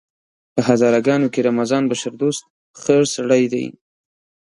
په هزاره ګانو کې رمضان بشردوست ښه سړی دی!